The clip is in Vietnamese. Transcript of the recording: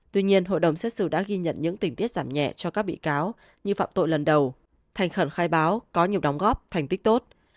tuy nhiên hội đồng xét xử đã ghi nhận những tình tiết giảm nhẹ cho các bị cáo như phạm tội lần đầu thành khẩn khai báo có nhiều đóng góp thành tích tốt